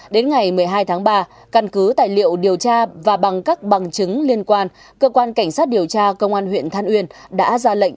đến ngày một mươi hai tháng ba căn cứ tài liệu điều tra và bằng các bằng chứng liên quan cơ quan cảnh sát điều tra công an huyện than uyên đã ra lệnh